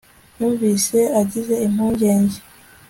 yumvise agize impungenge